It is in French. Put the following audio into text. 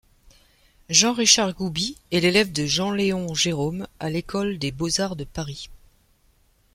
Jean-Richard Goubie est l'élève de Jean-Léon Gérôme à l'École des beaux-arts de Paris.